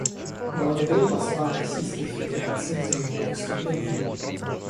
Благодарю посла Российской Федерации за его выступление.